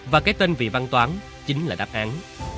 và cái tên vị văn toán chính là đáp án